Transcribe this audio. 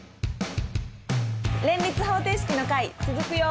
連立方程式の回続くよ！